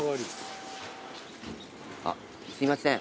あっすいません。